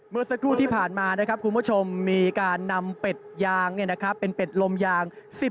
เมื่อสักครู่ที่ผ่านมานะครับคุณผู้ชมมีการนำเป็ดยางเป็นเป็ดลมยาง